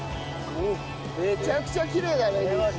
めちゃくちゃきれいだね虹ね。